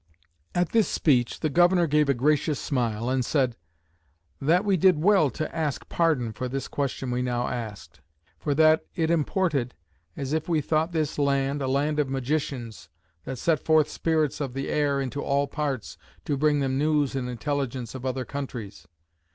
At this speech the Governor gave a gracious smile, and said; "That we did well to ask pardon for this question we now asked: for that it imported, as if we thought this land, a land of magicians, that sent forth spirits of the air into all parts, to bring them news and intelligence of other countries."